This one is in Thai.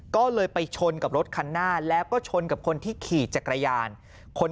ก็เลยไปชนกับรถคันหน้าแล้วก็ชนกับคนที่ขี่จักรยาน